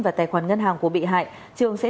và tài khoản ngân hàng của bị hại trường sẽ